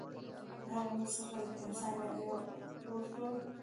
له هغې ورځې څخه چې انسانان پوه شول.